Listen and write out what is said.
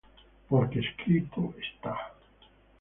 Porque escrito está: